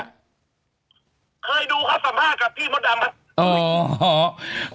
เคยดูความสัมภาษฐ์กับพี่หรอเหรอ